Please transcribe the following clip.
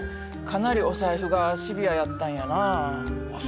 かなりお財布がシビアやったんやなあ。